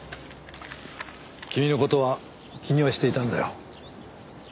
君の事は気にはしていたんだよ。